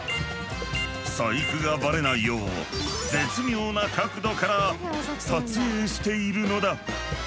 細工がバレないよう絶妙な角度から撮影しているのだ！